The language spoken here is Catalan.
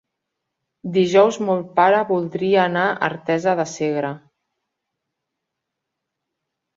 Dijous mon pare voldria anar a Artesa de Segre.